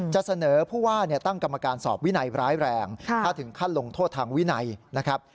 จะเสนอผู้ว่าตั้งกรรมการสอบวินัยร้ายแรงถ้าถึงขั้นลงโทษทางวินัยนะครับ